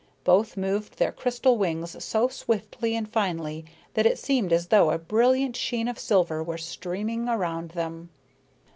Both moved their crystal wings so swiftly and finely that it seemed as though a brilliant sheen of silver were streaming around them.